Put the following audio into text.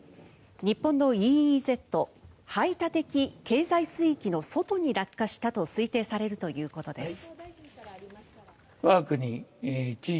日本のＥＥＺ・排他的経済水域の外に落下したと推定されるということです。